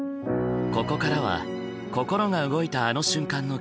ここからは心が動いたあの瞬間の気持ちを